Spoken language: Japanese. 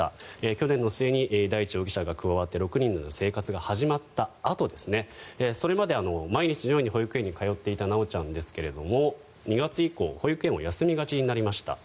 去年の末、大地容疑者が加わって６人での生活が始まったあとそれまで毎日のように保育園に通っていた修ちゃんですが２月以降、保育園を休みがちになりました。